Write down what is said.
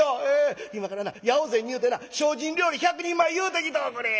今からな八百善に言うてな精進料理１００人前言うてきとおくれ！」。